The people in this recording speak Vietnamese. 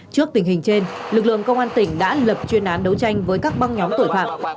trước tình hình trên lực lượng công an tỉnh đã lập chuyên án đấu tranh với các băng nhóm tội phạm